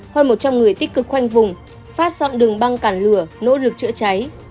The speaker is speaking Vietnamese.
hơn một trăm linh người tích cực khoanh vùng phát dọn đường băng cản lửa nỗ lực chữa cháy